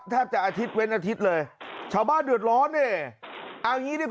แทบจะอาทิตย์เว้นอาทิตย์เลยชาวบ้านเดือดร้อนนี่เอางี้ดีกว่า